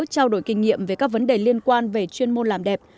trao đổi kinh nghiệm về các vấn đề liên quan về chuyên môn làm đẹp